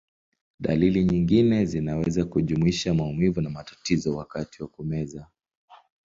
Dalili nyingine zinaweza kujumuisha maumivu na matatizo wakati wa kumeza.